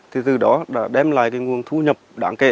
thì từ đó đã đem lại cái nguồn thu nhập đáng kể